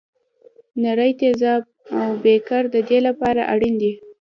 نري تیزاب او بیکر د دې لپاره اړین دي.